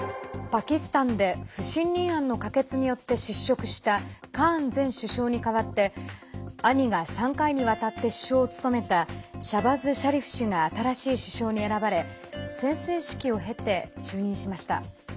パキスタンで不信任案の可決によって失職したカーン前首相に代わって兄が３回にわたって首相を務めたシャバズ・シャリフ氏が新しい首相に選ばれ宣誓式を経て、就任しました。